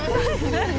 何？